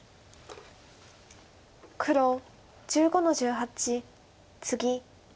黒１５の十八ツギ。